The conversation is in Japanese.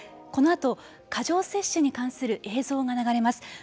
このあと過剰摂取に関する映像が流れます。